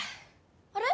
あれ？